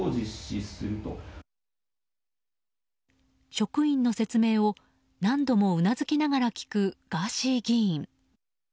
職員の説明を何度もうなずきながら聞くガーシー議員。